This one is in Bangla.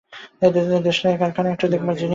এদের দেশলাই-এর কারখানা একটা দেখবার জিনিষ।